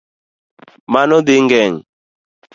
Mano dhi geng'